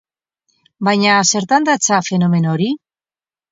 Baina zertan datza fenomeno hori?